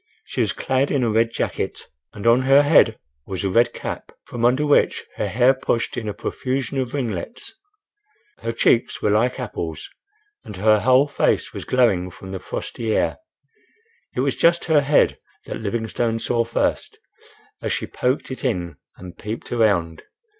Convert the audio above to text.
She was clad in a red jacket, and on her head was a red cap, from under which her hair pushed in a profusion of ringlets. Her cheeks were like apples, and her whole face was glowing from the frosty air. It was just her head that Livingstone saw first, as she poked it in and peeped around.